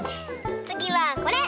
つぎはこれ！